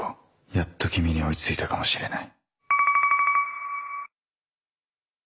やっと君に追いついたかもしれない。